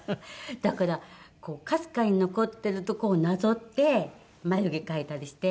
だからかすかに残ってるとこをなぞって眉毛描いたりして。